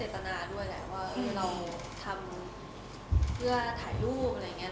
จริงก็ต้องดูที่เจตนาด้วยแหละว่าเราทำเพื่อถ่ายรูปอะไรอย่างเงี้ย